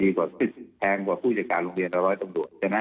ดีกว่าศึกษาแพงกว่าผู้จัดการโรงเรียนตะลอยตรงด่วนใช่ไหม